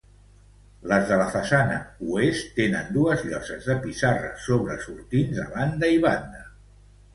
Les de la façana oest tenen dues lloses de pissarra sobresortints a banda i banda.